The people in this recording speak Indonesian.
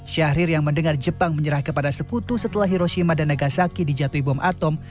syahrir yang mendengar jepang menyerah kepada sekutu setelah hiroshima dan nagasaki dijatuhi bom atom